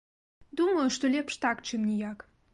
Думаю, што лепш так, чым ніяк.